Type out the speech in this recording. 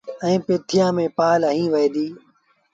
ائيٚݩ پيٿيآݩ ميݩ پآل هنئيٚ وهي ديٚ۔